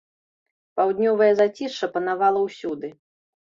Паўднёвае зацішша панавала ўсюды.